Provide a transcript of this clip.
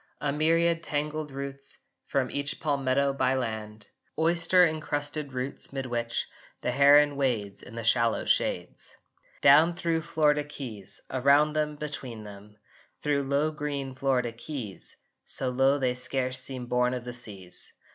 A myriad tangled roots From each palmetto byland, Oyster encrusted roots mid which The heron wades in the shallow shades! Down thro Florida keys, Around them, between them, Thro low green Florida keys, So low they scarce seem born of the seas!